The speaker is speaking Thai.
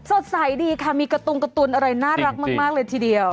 สดใสดีค่ะมีการตุงการ์ตูนอะไรน่ารักมากเลยทีเดียว